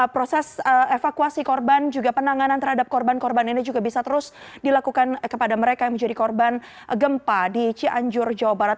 proses evakuasi korban juga penanganan terhadap korban korban ini juga bisa terus dilakukan kepada mereka yang menjadi korban gempa di cianjur jawa barat